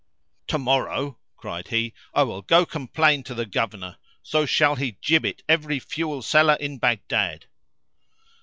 "Tomorrow," cried he, "I will go complain to the Governor, so shall he gibbet every fuel seller in Baghdad."